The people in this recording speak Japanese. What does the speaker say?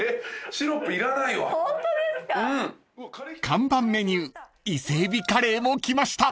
［看板メニュー伊勢えびカレーも来ました］